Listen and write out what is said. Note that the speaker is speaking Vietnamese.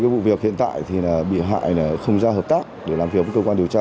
vụ việc hiện tại thì bị hại không ra hợp tác để làm việc với cơ quan điều tra